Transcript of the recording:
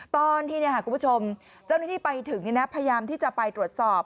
ตอนที่คุณผู้ชมเจ้าหน้าที่ไปถึงพยายามที่จะไปตรวจสอบ